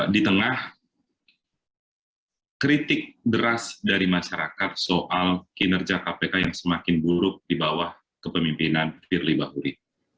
di tengah kritik deras dari masyarakat soal kinerja kpk yang semakin buruk di bawah kepemimpinan firly bahuri